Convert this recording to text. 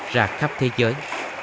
ra khắp thế giới